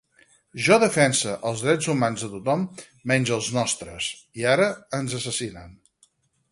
Jo defense els drets humans de tothom menys els nostres i ara ens assassinen